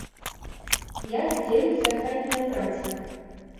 Як дзеліцца хатняя праца?